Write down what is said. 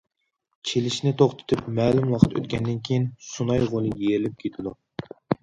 چېلىشنى توختىتىپ مەلۇم ۋاقىت ئۆتكەندىن كېيىن، سۇناي غولى يېرىلىپ كېتىدۇ.